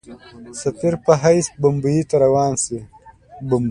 سفیر په حیث بمبیی ته روان سي.